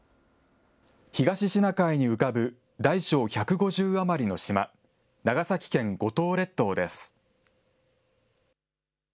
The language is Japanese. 東シナ海に浮かぶ大小１５０余りの島、長崎県五島列島です。